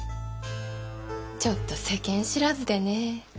ちょっと世間知らずでね。